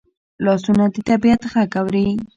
لاسونه د طبیعت غږ اوري